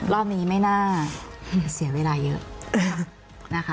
รอบนี้ไม่น่าเสียเวลาเยอะนะคะ